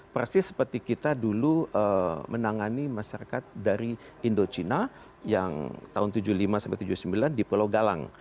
persis seperti kita dulu menangani masyarakat dari indochina yang tahun seribu sembilan ratus lima sampai tujuh puluh sembilan di pulau galang